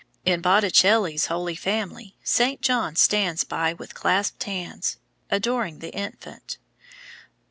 In Botticelli's Holy Family, Saint John stands by with clasped hands, adoring the Infant.